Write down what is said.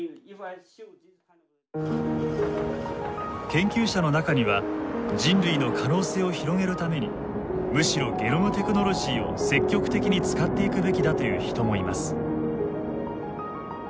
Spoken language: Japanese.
研究者の中には人類の可能性を広げるためにむしろゲノムテクノロジーを積極的に使っていくべきだという人もいます。